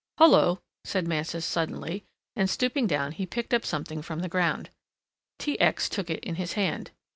"Hullo!" said Mansus, suddenly, and stooping down he picked up something from the ground. T. X. took it in his hand.